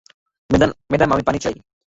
Madam, আমি পানি চাই।